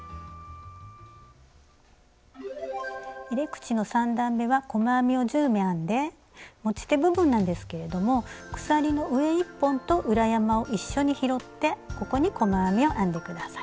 入れ口の３段めは細編みを１０目編んで持ち手部分なんですけれども鎖の上１本と裏山を一緒に拾ってここに細編みを編んで下さい。